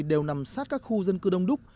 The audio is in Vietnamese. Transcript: đều nằm sát các khu dân cư đông đúc